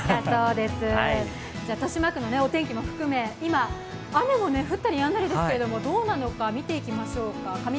豊島区のお天気も含め、今、雨も降ったりやんだりですが、どうなっているか見てみましょうか。